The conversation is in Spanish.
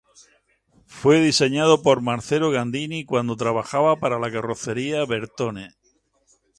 Fue diseñado por Marcello Gandini cuando trabajaba para la Carrozzeria Bertone.